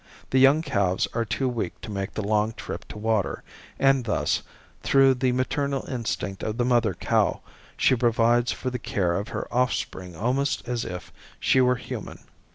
The young calves are too weak to make the long trip to water and thus, through the maternal instinct of the mother cow, she provides for the care of her offspring almost as if she were human.